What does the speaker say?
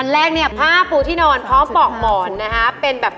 แรกเนี่ยผ้าปูที่นอนพร้อมปอกหมอนนะคะเป็นแบบ